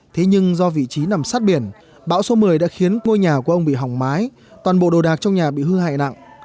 thế nhưng do vị trí nằm sát biển bão số một mươi đã khiến ngôi nhà của ông bị hỏng mái toàn bộ đồ đạc trong nhà bị hư hại nặng